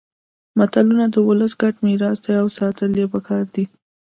متلونه د ولس ګډ میراث دي او ساتل يې پکار دي